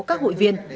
các hụi viên